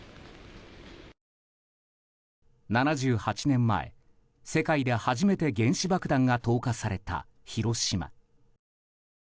７８年前、世界で初めて原子爆弾が投下された広島。